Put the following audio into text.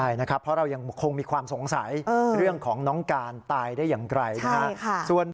ใช่นะครับเพราะเรายังคงมีความสงสัยเรื่องของน้องการตายได้อย่างไกลนะครับ